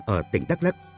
ở tỉnh đắk lắc